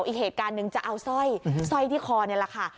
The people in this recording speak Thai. อีกเหตุการณ์หนึ่งจะเอาสร้อยสร้อยที่คอนี่แหละค่ะ